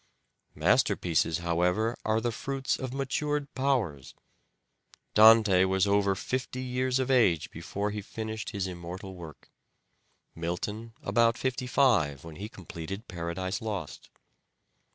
Masterpieces, however, are the fruits of matured powers. Dante was over fifty years of age before he finished his immortal work ; Milton about fifty five when he completed " Paradise Lost."